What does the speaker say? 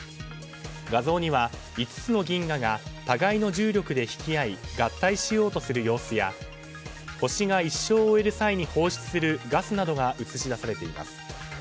画像には５つの銀河が互いの重力で引き合い合体しようとする様子や星が一生を終える際に放出するガスなどが映し出されています。